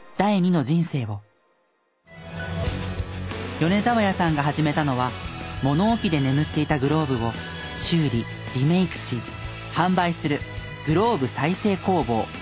米沢谷さんが始めたのは物置で眠っていたグローブを修理リメイクし販売するグローブ再生工房。